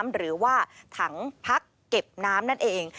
หรือว่าถังพักเก็บน้ำนั่นเอง